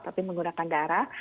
tapi menggunakan darah